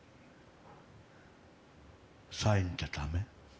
サインじゃダメ？